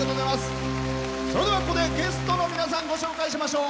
それでは、ここでゲストの皆さんご紹介しましょう。